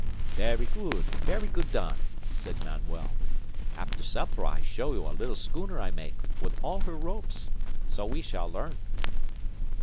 "Ver' good. Ver' good don," said Manuel. "After supper I show you a little schooner I make, with all her ropes. So we shall learn."